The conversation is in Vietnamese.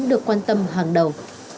được quan tâm hàng đầu